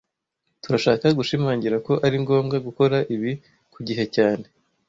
Turashaka gushimangira ko ari ngombwa gukora ibi ku gihe cyane